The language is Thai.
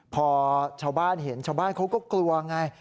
พอชาวบ้านเห็นชาวบ้านเขาก็กลัวไง